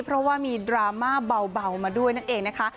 เพราะว่ามีดราม่าเบามาด้วยนั่นเองนะคะ